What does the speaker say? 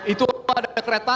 itu ada kereta